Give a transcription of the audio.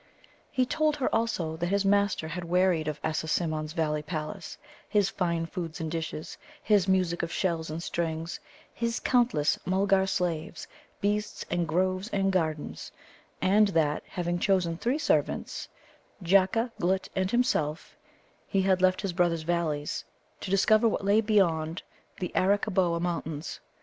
He told her, also, that his master had wearied of Assasimmon's valley palace, his fine food and dishes, his music of shells and strings, his countless Mulgar slaves, beasts, and groves and gardens; and that, having chosen three servants, Jacca, Glutt, and himself, he had left his brother's valleys, to discover what lay beyond the Arakkaboa Mountains.